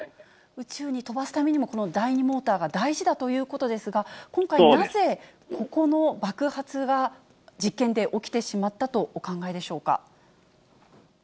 宇宙に飛ばすためにも、この第２モーターが大事だということですが、今回、なぜここの爆発が、実験で起きてしまったとお考えでしょうか。